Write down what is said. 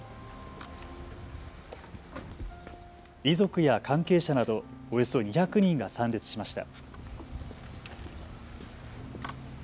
遺族や関係者などおよそ２００人が参列しました。